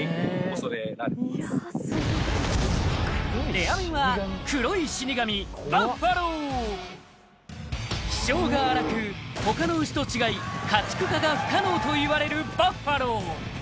レア面は黒い死神バッファロー気性が荒く他の牛と違い家畜化が不可能といわれるバッファロー